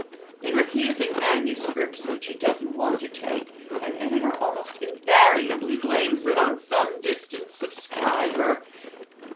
In refusing manuscripts which he doesn't want to take, an editor almost invariably blames it on some distant subscriber.